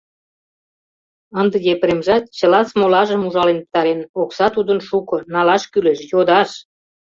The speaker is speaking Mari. Ынде Епремжат чыла смолажым ужален пытарен, окса тудын шуко, налаш кӱлеш, йодаш.